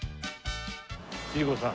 千里子さん。